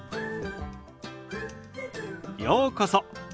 ようこそ。